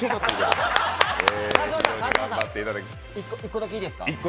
川島さん、１個だけいいですか？